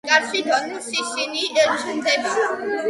კადრში დონ სისინი ჩნდება.